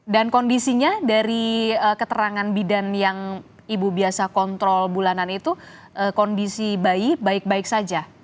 dan kondisinya dari keterangan bidan yang ibu biasa kontrol bulanan itu kondisi bayi baik baik saja